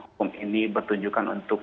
hukum ini bertujuan